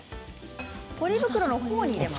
ポリ袋の方に入れます。